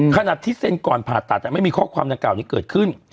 ขนาดที่เซ็นก่อนผ่าตัดไม่มีข้อความดังกล่านี้เกิดขึ้น